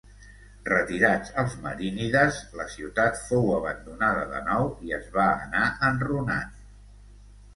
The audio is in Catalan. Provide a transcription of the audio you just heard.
Retirats els marínides, la ciutat fou abandonada de nou i es va anar enrunant.